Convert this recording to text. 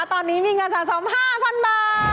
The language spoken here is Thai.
ตอนนี้มีเงินสะสม๕๐๐๐บาท